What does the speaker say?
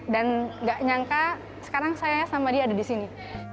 dan nggak nyangka sekarang saya sama dia ada di sini